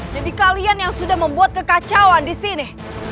kalian yang sudah membuat kekacauan di sini